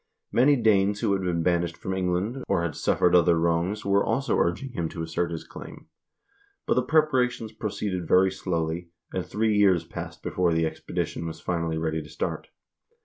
Many Danes who had been banished from England, or had suffered other wrongs, were also urging him to assert his claim. But the prepara tions proceeded very slowly, and three years passed before the expedi tion was finally ready to start.